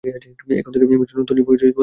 এখন থেকে, মিশনের নতুন সীমা সেট করা হয়েছে।